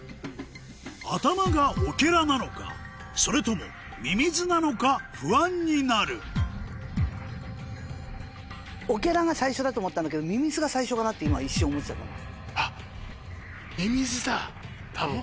頭がオケラなのかそれともミミズなのか不安になるオケラが最初だと思ったんだけどミミズが最初かなって今一瞬思っちゃったの。